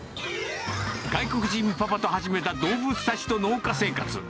外国人パパと始めた動物たちと農家生活。